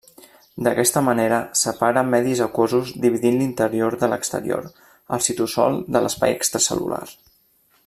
D'aquesta manera, separa medis aquosos dividint l'interior de l'exterior, el citosol de l'espai extracel·lular.